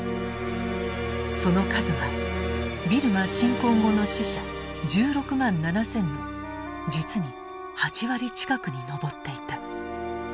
その数はビルマ侵攻後の死者１６万７，０００の実に８割近くに上っていた。